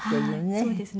そうですね。